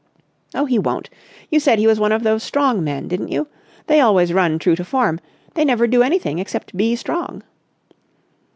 "Oh, he won't. You said he was one of those strong men, didn't you? They always run true to form. They never do anything except be strong."